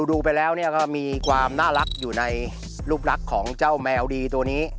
ดูไปแล้วก็มีความน่ารักอยู่ในรูปลักษณ์ของเจ้าแมวดีตัวนี้